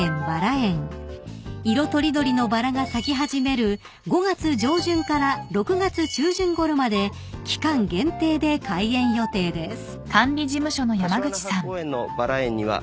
［色取り取りのバラが咲き始める５月上旬から６月中旬ごろまで期間限定で開園予定です］